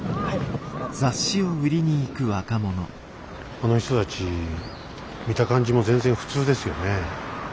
あの人たち見た感じも全然普通ですよね。